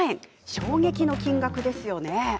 衝撃の金額ですよね。